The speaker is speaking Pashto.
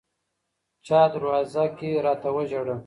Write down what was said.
چـا دروازه كي راتـه وژړل